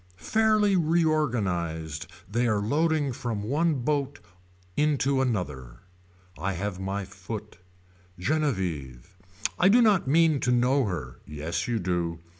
Fairly reorganized they are loading from one boat into another. I have my foot. Genevieve. I do not mean to know her. Yes you do.